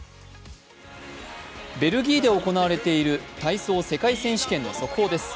ベルギーで行われている体操世界選手権の速報です。